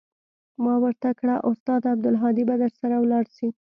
ما ورته كړه استاده عبدالهادي به درسره ولاړ سي.